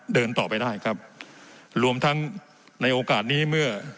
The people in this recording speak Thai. เดินต่อไปได้ครับรวมทั้งในโอกาสนี้เมื่อ